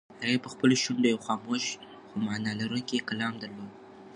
هغې په خپلو شونډو یو خاموش خو مانا لرونکی کلام درلود.